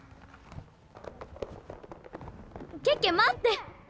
ケケまって！